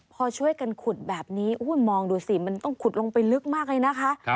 พอช่วยกันขุดแบบนี้มองดูสิมันต้องขุดลงไปลึกมากเลยนะคะ